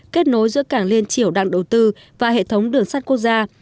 kết nối giữa cảng liên triểu đặng đầu tư và hệ thống đường sắt quốc gia